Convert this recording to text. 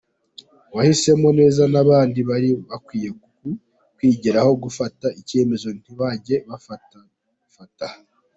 Wahisemo neza nabandi bari bakwiye ku kwigiraho gufata icyemezo ntibajye bafatafata.